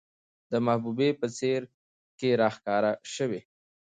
د محبوبې په څېره کې راښکاره شوې،